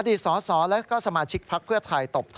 อดีตสอสอและสมาชิกภักดิ์เพื่อไทย